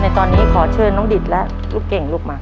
ตอนนี้ขอเชิญน้องดิตและลูกเก่งลูกมา